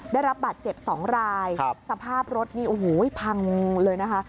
ได้รับบาดเจ็บ๒รายสภาพรถนี่โอ้โหพังเลยนะคะ